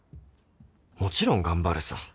もちろん頑張るさ